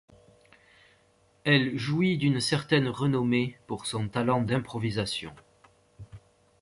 Elle jouit d'une certaine renommée pour son talent d'improvisation.